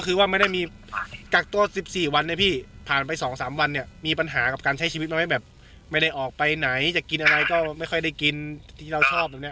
คือว่าไม่ได้มีกักตัว๑๔วันนะพี่ผ่านไป๒๓วันเนี่ยมีปัญหากับการใช้ชีวิตไว้แบบไม่ได้ออกไปไหนจะกินอะไรก็ไม่ค่อยได้กินที่เราชอบตรงเนี้ย